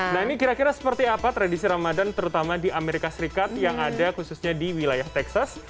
nah ini kira kira seperti apa tradisi ramadan terutama di amerika serikat yang ada khususnya di wilayah texas